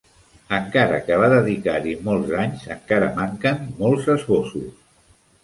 Encara que va dedicar-hi molts anys, encara manquen molts esbossos.